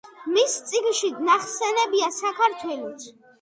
მის წიგნში ნახსენებია საქართველოც.